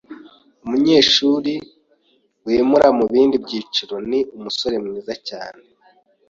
Umunyeshuri wimura mubindi byiciro ni umusore mwiza cyane.